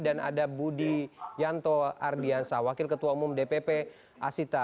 dan ada budi yanto ardiansa wakil ketua umum dpp asita